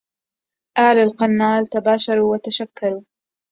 آل القنال تباشروا وتشكروا